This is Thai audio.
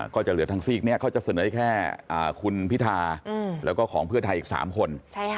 ก็จะเหลือทางซีกนี้เขาจะเสนอให้แค่คุณพิธาแล้วก็ของเพื่อไทยอีก๓คน